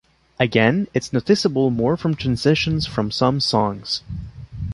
Again it's noticeable more from transitions from some songs.